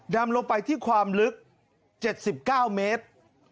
ดำลงไปที่ความลึก๗๙เมตร